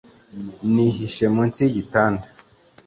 Nihishe munsi yigitanda